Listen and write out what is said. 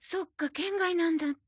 圏外なんだった。